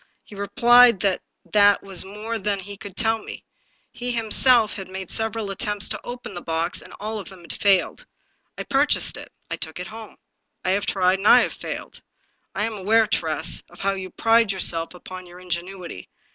He replied that that was more than he could tell me. He himself had made several attempts 243 English Mystery Stories to open the box, and all of them had failed. I purchased it. I took it home. I have tried, and I have failed. I am aware, Tress, of how you pride yourself upon your in genuity.